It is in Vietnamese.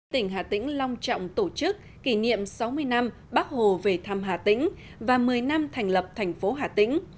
tỉnh hà tĩnh long trọng tổ chức kỷ niệm sáu mươi năm bắc hồ về thăm hà tĩnh và một mươi năm thành lập thành phố hà tĩnh